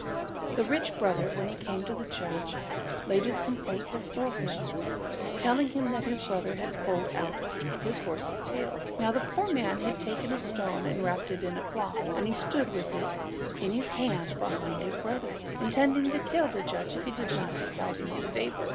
The rich brother, when he came to the judge, laid his complaint before him, telling him that his brother had pulled out his horse's tail. Now the poor man had taken a stone and wrapped it in a cloth, and he stood with it in his hand, behind his brother, intending to kill the judge if he did not decide in his favour.